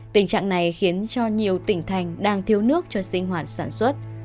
tình trạng này khiến cho nhiều tỉnh thành đang thiếu nước cho sinh hoạt sản xuất